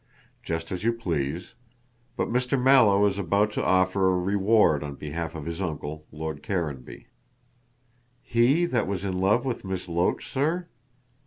"Just as you please. But Mr. Mallow is about to offer a reward on behalf of his uncle, Lord Caranby." "He that was in love with Miss Loach, sir?"